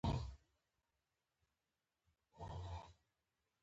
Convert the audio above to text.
د راډیو اعلانونه کله کله خندونکي وي.